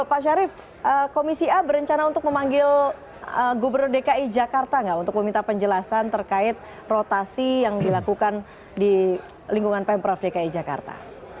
pak syarif komisi a berencana untuk memanggil gubernur dki jakarta nggak untuk meminta penjelasan terkait rotasi yang dilakukan di lingkungan pemprov dki jakarta